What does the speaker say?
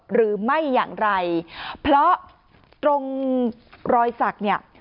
หรือไม่อย่างไรเพราะตรงรอยสักเนี่ย